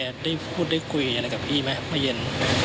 แกได้พูดได้คุยอะไรกับอีกไหมพระเย็น